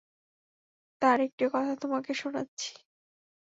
তার একটি কথা তোমাকে শুনাচ্ছি।